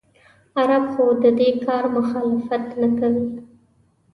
عرب خو د دې کار مخالفت نه کوي.